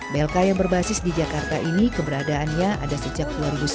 blk yang berbasis di jakarta ini keberadaannya ada sejak dua ribu sepuluh